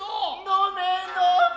のめのめ。